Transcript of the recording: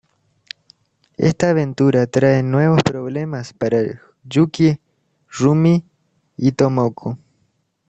Esta aventura trae nuevos problemas para Yukie, Rumi y Tomoko.